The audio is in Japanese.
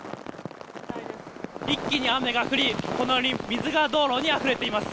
一気に雨が降り、このように水が道路にあふれています。